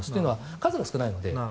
数が少ないので。